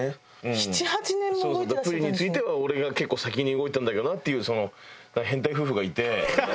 「プリンについては俺が結構先に動いてたんだけどな」っていうその変態夫婦がいて。